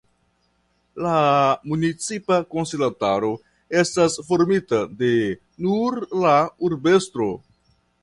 La municipa konsilantaro estas formita de nur la urbestro.